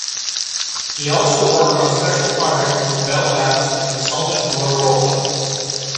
He also worked on special projects for Bell Labs and consulted for Motorola.